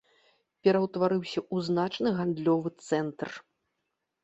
Пераўтварыўся ў значны гандлёвы цэнтр.